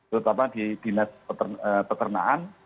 terutama di dinas peternakan